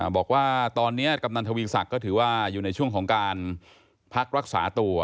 บอกว่าตอนนี้กำนันทวีศักดิ์ก็ถือว่าอยู่ในช่วงของการพักรักษาตัว